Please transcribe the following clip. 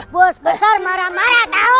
bos besar marah marah